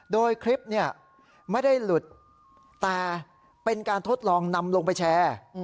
โดยคลิปเนี่ยไม่ได้หลุดแต่เป็นการทดลองนำลงไปแชร์